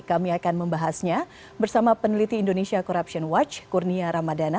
kami akan membahasnya bersama peneliti indonesia corruption watch kurnia ramadana